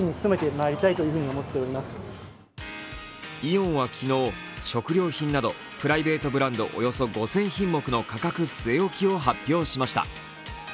イオンは昨日、食料品などプライベートブランドおよそ５０００品目の価格据え置きを発表しました。